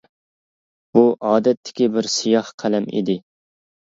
بۇ ئادەتتىكى بىر سىياھ قەلەم ئىدى.